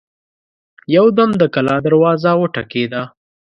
يودم د کلا دروازه وټکېده.